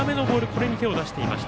これに手を出していました。